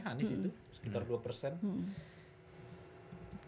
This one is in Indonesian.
anies itu sekitar dua